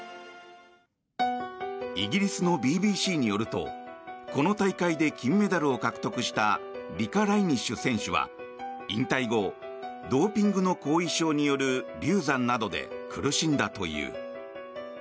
イギリスのＢＢＣによるとこの大会で金メダルを獲得したリカ・ライニッシュ選手は引退後ドーピングの後遺症による流産などで苦しんだという。